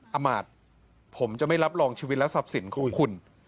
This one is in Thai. อามาตย์ผมจะไม่รับรองชีวิตและทรัพย์สินของคุณ